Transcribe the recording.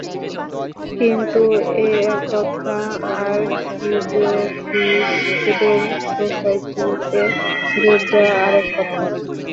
কিন্তু এ এক কথা, আর থিওজফিস্টদের সোসাইটিতে যোগ দেওয়া আর এক কথা।